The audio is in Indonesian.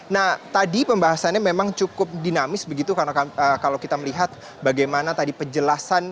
nah tadi pembahasannya memang cukup dinamis begitu karena kalau kita melihat bagaimana tadi penjelasan